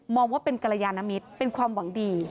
ว่าเป็นกรยานมิตรเป็นความหวังดี